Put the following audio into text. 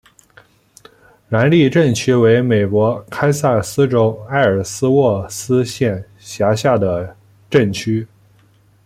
兰利镇区为美国堪萨斯州埃尔斯沃思县辖下的镇区。